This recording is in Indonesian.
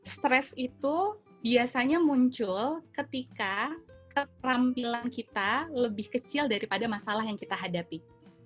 stres itu biasanya muncul ketika keterampilan kita lebih kecil daripada masalah yang kita hadapi